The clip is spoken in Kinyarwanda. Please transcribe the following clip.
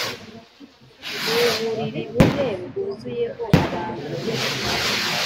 uburiri bune bwuzuyeho abantu